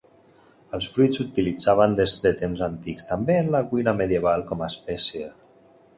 Els fruits s'utilitzaven des de temps antics, també en la cuina medieval com a espècia.